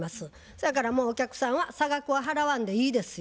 そやからもうお客さんは差額は払わんでいいですよ。